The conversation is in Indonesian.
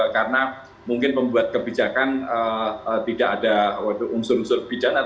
karena mungkin pembuat kebijakan tidak ada unsur unsur pijaknya